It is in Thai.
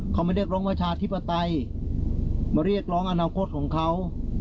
เขาไม่เรียกร้องประชาธิปไตยมาเรียกร้องอนาคตของเขา